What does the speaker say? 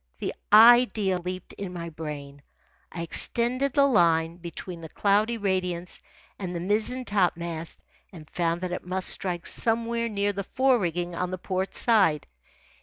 The idea leaped in my brain. I extended the line between the cloudy radiance and the mizzen topmast and found that it must strike somewhere near the fore rigging on the port side.